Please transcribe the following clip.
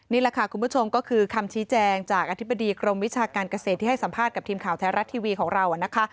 นี่แหละค่ะคุณผู้ชมก็คือคำชี้แจงจากอธิบดีกรมวิชาการเกษตรที่ให้สัมภาษณ์กับทีมข่าวไทยรัฐทีวีของเรานะคะ